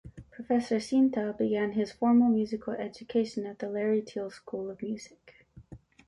Professor Sinta began his formal musical education at the Larry Teal School of Music.